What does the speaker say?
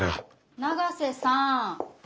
永瀬さん。